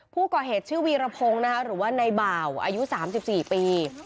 ผู้ก่อเหตุชื่อวีรพงศ์นะคะหรือว่าในบ่าวอายุ๓๔ปี